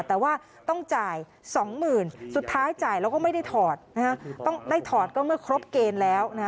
แต่ว่าต้องจ่าย๒๐๐๐สุดท้ายจ่ายแล้วก็ไม่ได้ถอดต้องได้ถอดก็เมื่อครบเกณฑ์แล้ว